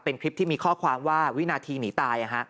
เป็นคลิปที่มีข้อความว่าวินาทีหนีตาย